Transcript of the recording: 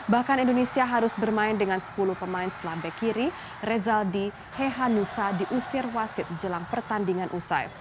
bahkan indonesia harus bermain dengan sepuluh pemain selambek kiri rezaldi hehanusa diusir wasit jelang pertandingan usai